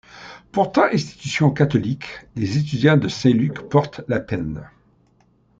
Pourtant institution catholique, les étudiants de Saint-Luc portent la penne.